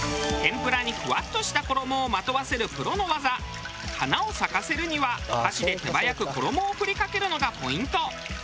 天ぷらにふわっとした衣をまとわせるプロの技花を咲かせるには箸で手早く衣を振りかけるのがポイント。